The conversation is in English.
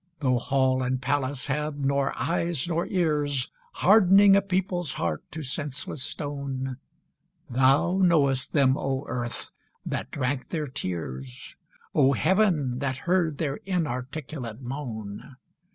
Though hall and palace had nor eyes nor ears, Hardening a people's heart to senseless stone, Thou knowest them, O Earth, that drank their tears, O Heaven, that heard their inarticulate moan!